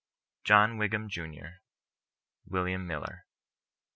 John Wigham, Jun. William Miller.